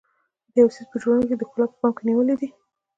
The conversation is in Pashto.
د یو څیز په جوړونه کې ښکلا په پام کې نیولې ده.